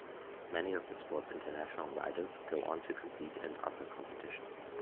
Many of the sport's international riders go on to compete in other competition.